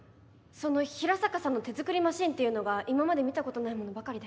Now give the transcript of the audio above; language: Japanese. その平坂さんの手作りマシンっていうのが今まで見たことないものばかりで。